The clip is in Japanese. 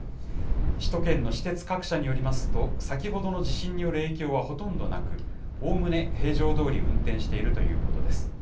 首都圏の私鉄各社によりますと、先ほどの地震による影響はほとんどなく、おおむね、平常どおり運転しているということです。